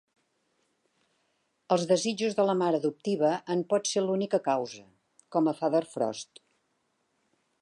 Els desitjos de la mare adoptiva en pot ser l'única causa, com a "Father Frost".